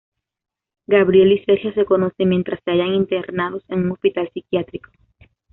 Gabriel y Sergio se conocen mientras se hallan internados en un hospital psiquiátrico.